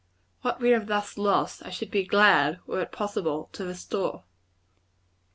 What we have thus lost, I should be glad, were it possible, to restore.